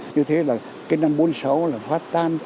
như thế là cái năm bốn mươi sáu là phát tan